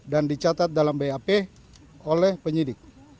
dan dicatat dalam bap oleh penyelidik